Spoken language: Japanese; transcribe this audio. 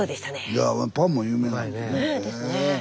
いやあパンも有名なんですね。